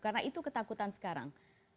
karena itu ketakutan sekarang